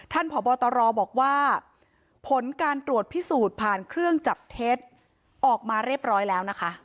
พบตรบอกว่าผลการตรวจพิสูจน์ผ่านเครื่องจับเท็จออกมาเรียบร้อยแล้วนะคะ